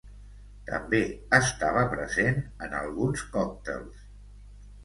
També estava present en alguns còctels.